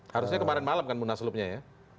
harusnya kemarin malam kan munaslupnya ya